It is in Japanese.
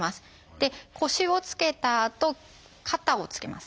で腰をつけたあと肩をつけます。